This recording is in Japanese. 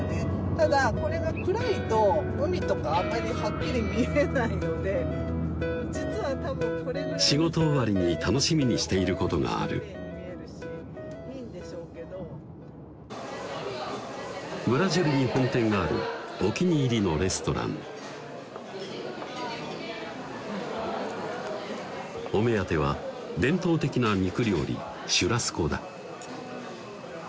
ただこれが暗いと海とかあんまりはっきり見えないので仕事終わりに楽しみにしていることがあるブラジルに本店があるお気に入りのレストランお目当ては伝統的な肉料理・シュラスコだ